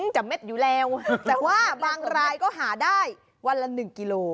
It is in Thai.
จะเม็ดอยู่แล้วแต่ว่าบางรายก็หาได้วันละ๑กิโล